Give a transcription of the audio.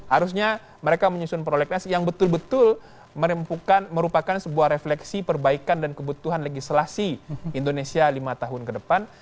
harusnya mereka menyusun prolegnas yang betul betul merupakan sebuah refleksi perbaikan dan kebutuhan legislasi indonesia lima tahun ke depan